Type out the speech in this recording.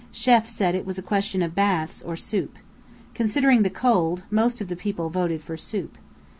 Chêf said it was a question of baths, or soup. Considering the cold, most of the people voted for soup.